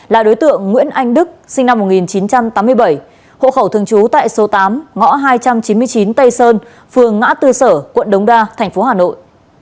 là đối tượng nguyễn anh đức sinh năm một nghìn chín trăm tám mươi bảy hộ khẩu thường trú tại số tám ngõ hai trăm chín mươi chín tây sơn phường ngã tư sở quận đống đa thành phố hà nội